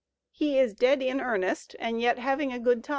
He is dead in earnest and yet having a "good time."